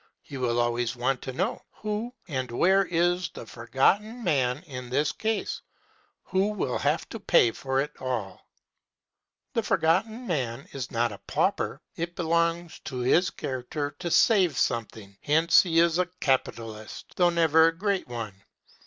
He will always want to know, Who and where is the Forgotten Man in this case, who will have to pay for it all? The Forgotten Man is not a pauper. It belongs to his character to save something. Hence he is a capitalist, though never a great one.